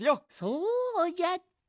そうじゃった。